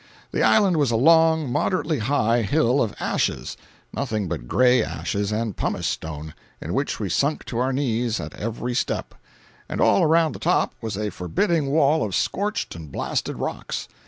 The island was a long, moderately high hill of ashes—nothing but gray ashes and pumice stone, in which we sunk to our knees at every step—and all around the top was a forbidding wall of scorched and blasted rocks.